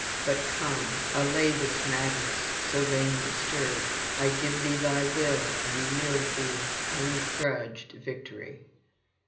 But come, allay this madness so vainly stirred. I give thee thy will, and yield thee ungrudged victory.